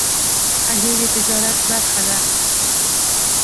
هګۍ د تجارت برخه ده.